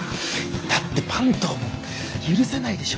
だって坂東も許せないでしょ？